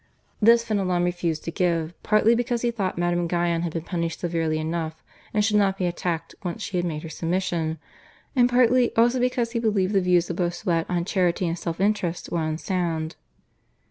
This Fenelon refused to give, partly because he thought Madame Guyon had been punished severely enough and should not be attacked once she had made her submission, and partly also because he believed the views of Bossuet on charity and self interest were unsound.